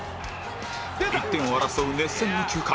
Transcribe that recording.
１点を争う熱戦の９回